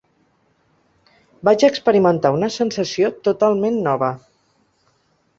Vaig experimentar una sensació totalment nova.